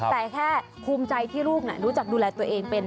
แต่แค่ภูมิใจที่ลูกรู้จักดูแลตัวเองเป็น